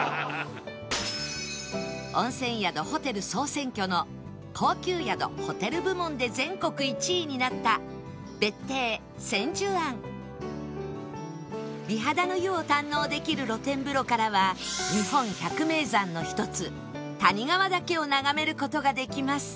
温泉宿・ホテル総選挙の高級宿・ホテル部門で全国１位になった美肌の湯を堪能できる露天風呂からは日本百名山の一つ谷川岳を眺める事ができます